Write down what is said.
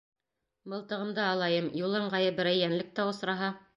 Мылтығымды алайым, юл ыңғайы берәй йәнлек тә осраһа...